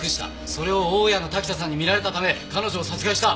それを大家の滝田さんに見られたため彼女を殺害した。